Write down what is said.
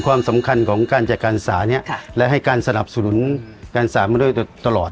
ความสำคัญของการจัดการสาเนี่ยและให้การสนับสนุนการสารมาด้วยตลอด